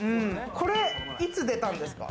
これいつ出たんですか？